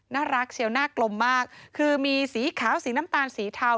น่ารักเชียวหน้ากลมมากคือมีสีขาวสีน้ำตาลสีเทา